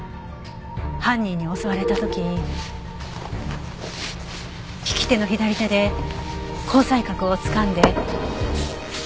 犯人に襲われた時に利き手の左手で紅彩閣をつかんで。